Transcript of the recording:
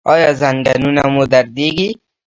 ایا زنګونونه مو دردیږي؟